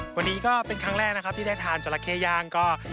วันนี้ก็เป็นครั้งแรกนะครับที่ได้ทานจราเข้ย่างก็